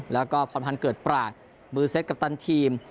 แล้วก็พรพันธ์เกิดปราศมือเซ็ตกัปตันทีม